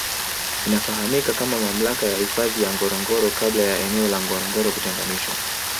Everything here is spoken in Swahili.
Inafahamika kama mamlaka ya hifadhi ya Ngorongoro kabla ya eneo la Ngorongoro kutenganishwa